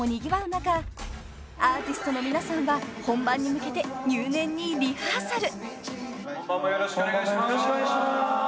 中アーティストの皆さんは本番に向けて入念にリハーサル］